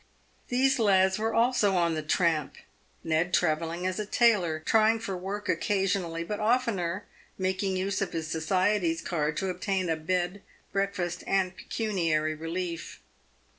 These lads were also on the tramp, Ned travelling" as aTailor, trying for work occasionally, but oftener making use of his society's card to obtain a bed, breakfast, and pecuniary relief.